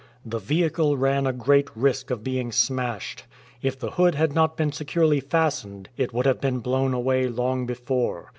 The vehicle ran a great risk of being smashed. If the hood had not been securely fastened, it would have been blown away long before.